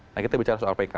nah kita bicara soal pk